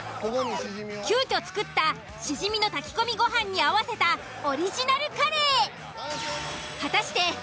急遽作ったシジミの炊き込みご飯に合わせたオリジナルカレー。